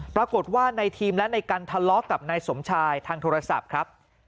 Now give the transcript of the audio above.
ปรากฏว่าในทีมและนายกันทะเลาะกับนายสมชายทางโทรศัพท์ครับ